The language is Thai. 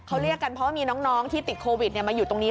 เขาเรียกกันเพราะว่ามีน้องที่ติดโควิดมาอยู่ตรงนี้